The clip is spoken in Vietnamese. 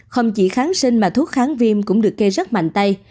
không chỉ kháng sinh mà thuốc kháng viêm cũng được kê rất mạnh tay